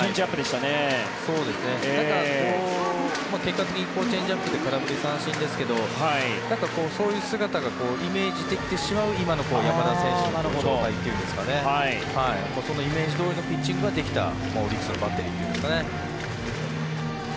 ただ、結果的にチェンジアップで空振り三振ですけどそういう姿がイメージできてしまう今の山田選手の状態というんですかねそのイメージどおりのピッチングができたオリックスのバッテリーというんですかね。